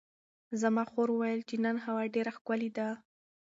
زما خور وویل چې نن هوا ډېره ښکلې ده.